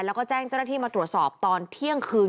แล้วก็แจ้งเจ้าหน้าที่มาตรวจสอบตอนเที่ยงคืน